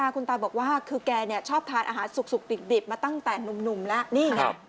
คุณตาบอกว่าคือแกชอบทานอาหารสุกดิบมาตั้งแต่หนุ่มแล้วนี่ไง